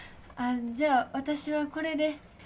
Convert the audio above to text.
あじゃあ私はこれで。